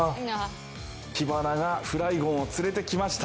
キバナがフライゴンを連れてきました。